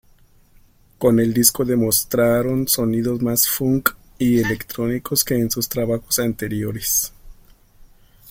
Con el disco demostraron sonidos más "funk" y electrónicos que en sus trabajos anteriores.